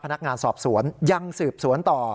พนักงานสอบสวนยังสืบสวนต่อ